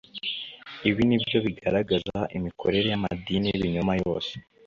ibi nibyo bigaragaza imikorere y’amadini y’ibinyoma yose